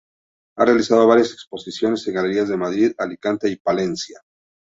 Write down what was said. Ha realizado varias exposiciones en galerías de Madrid, Alicante y Palencia.